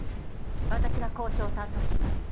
私が交渉を担当します。